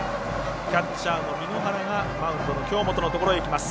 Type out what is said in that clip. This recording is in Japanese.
キャッチャーの簑原がマウンドの京本のところへ行きました。